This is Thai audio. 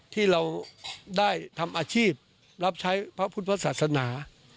ที่เราได้ทำอาชีพรับใช้พระพุทธศาสนา